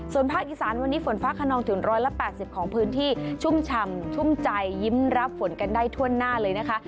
ส่วนภาคอีสานวันนี้ฝนฟ้าขนองถึง๑๘๐ของพื้นที่ชุ่มฉ่ำชุ่มใจยิ้มรับฝนกันได้ทั่วหน้าเลยนะคะ